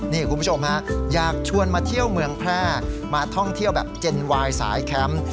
นี่คุณผู้ชมฮะอยากชวนมาเที่ยวเมืองแพร่มาท่องเที่ยวแบบเจนวายสายแคมป์